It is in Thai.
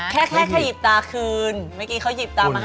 แค่แค่ขยิบตาคืนเมื่อกี้เขาหยิบตามาให้